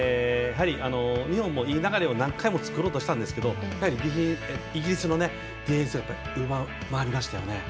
日本もいい流れを何回も作ろうとしたんですけどイギリスのディフェンスが上回りましたよね。